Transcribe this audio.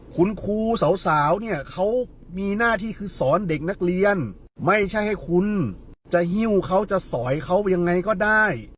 คุณครูสาวเนี่ยเขามีหน้าที่คือสอนเด็กนักเรียนไม่ใช่ให้คุณจะหิ้วเขาจะสอยเขายังไงก็ได้